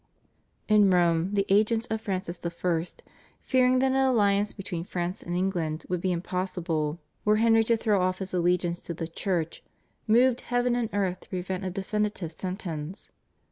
In Rome the agents of Francis I., fearing that an alliance between France and England would be impossible were Henry to throw off his allegiance to the Church, moved heaven and earth to prevent a definitive sentence.